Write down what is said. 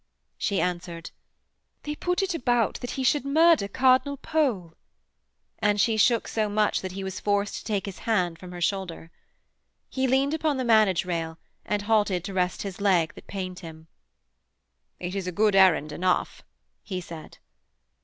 She answered: 'They put it about that he should murder Cardinal Pole,' and she shook so much that he was forced to take his hand from her shoulder. He leaned upon the manage rail, and halted to rest his leg that pained him. 'It is a good errand enough,' he said.